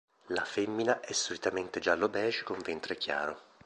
La femmina è solitamente giallo beige, con ventre chiaro.